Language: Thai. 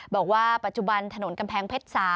บอกว่าปัจจุบันถนนกำแพงเพชร๓